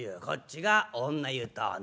こっちが女湯と。